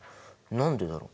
何でだろう？